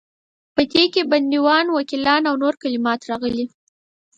په دې کې بندیوان، وکیلان او نور کلمات راغلي.